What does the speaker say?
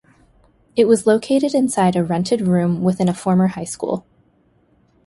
It was located inside a rented room within a former high school.